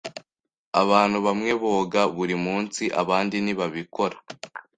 Abantu bamwe boga buri munsi abandi ntibabikora.